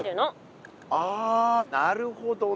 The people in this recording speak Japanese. ああなるほどね。